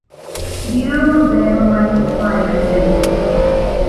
ދިރިއުޅުމަށް ބޭނުން ވަނީ އުފާ އެކަންޏެއް ނޫން